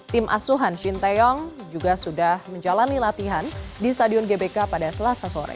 tim asuhan shin taeyong juga sudah menjalani latihan di stadion gbk pada selasa sore